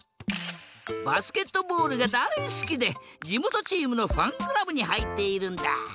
バスケットボールがだいすきでじもとチームのファンクラブにはいっているんだ。